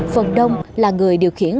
phần đông là người điều khiển